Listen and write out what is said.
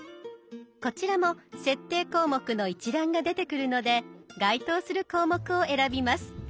こちらも設定項目の一覧が出てくるので該当する項目を選びます。